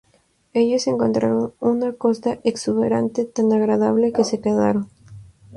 Ellos encontraron una costa exuberante tan agradable que se quedaron.